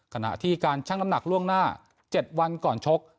ขณะที่การชั่งน้ำหนักล่วงหน้า๗วันก่อนชก